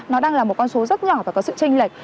nó đang là một con số rất nhỏ và có sự tranh lệch